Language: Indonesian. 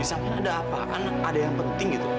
di samping ada apaan ada yang penting gitu